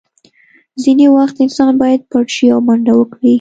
ځینې وخت انسان باید پټ شي او منډه وکړي